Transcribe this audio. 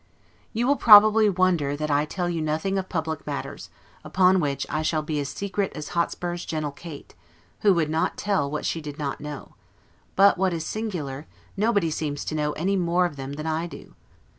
You will probably wonder that I tell you nothing of public matters; upon which I shall be as secret as Hotspur's gentle Kate, who would not tell what she did not know; but what is singular, nobody seems to know any more of them than I do.